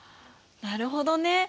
なるほどね。